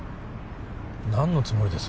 何のつもりです？